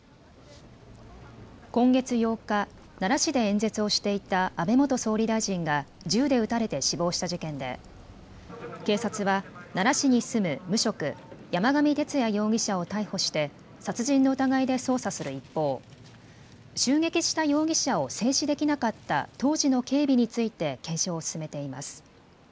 今月８日、奈良市で演説をしていた安倍元総理大臣が銃で撃たれて死亡した事件で警察は奈良市に住む無職、山上徹也容疑者を逮捕して殺人の疑いで捜査する一方、襲撃した容疑者を制止できなかった当時の警備について検証を進めています。